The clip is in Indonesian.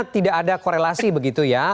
tidak ada korelasi begitu ya